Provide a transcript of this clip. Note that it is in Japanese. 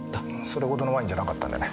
それほどのワインじゃなかったんでね。